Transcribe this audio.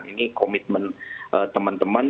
ini komitmen teman teman